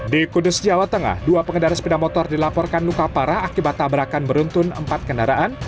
di kudus jawa tengah dua pengendara sepeda motor dilaporkan luka parah akibat tabrakan beruntun empat kendaraan